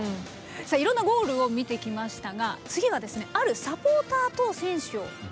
さあいろんなゴールを見てきましたが次はですねあるサポーターと選手を結び付けたゴールの物語です。